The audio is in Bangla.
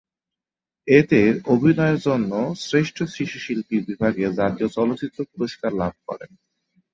এতে অভিনয়ের জন্য শ্রেষ্ঠ শিশু শিল্পী বিভাগে জাতীয় চলচ্চিত্র পুরস্কার লাভ করেন।